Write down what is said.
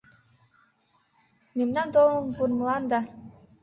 Мемнан толын пурмылан да